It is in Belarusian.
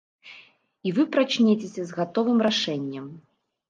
І вы прачнецеся з гатовым рашэннем.